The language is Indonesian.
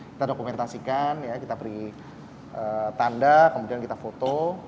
kita dokumentasikan kita beri tanda kemudian kita foto